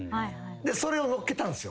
それを載っけたんですよ。